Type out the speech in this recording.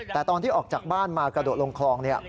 แต่ตอนที่ออกจากบ้านมากระโดดลงคลอง